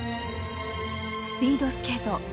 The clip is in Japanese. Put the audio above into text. スピードスケート